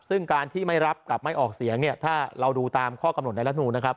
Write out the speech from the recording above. ซึ่งการที่ไม่รับกับไม่ออกเสียงเนี่ยถ้าเราดูตามข้อกำหนดในรัฐมนูลนะครับ